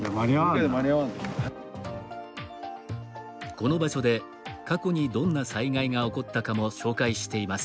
この場所で過去にどんな災害が起こったかも紹介しています。